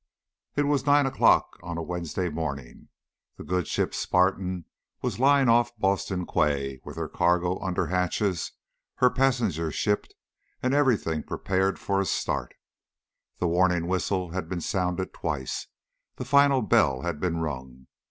It was nine o'clock on a Wednesday morning. The good ship Spartan was lying off Boston Quay with her cargo under hatches, her passengers shipped, and everything prepared for a start. The warning whistle had been sounded twice; the final bell had been rung.